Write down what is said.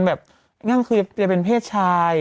มันจะเป็นเพศชาย